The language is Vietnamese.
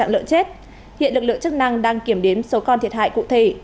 nhược chức năng đang kiểm đếm số con thiệt hại cụ thể